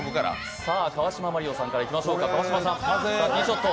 川島マリオさんからいきましょうか、ティーショット。